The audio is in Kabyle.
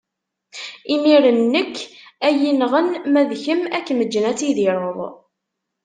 Imiren nekk ad yi-nɣen, ma d kemm ad kem-ǧǧen, ad tidireḍ.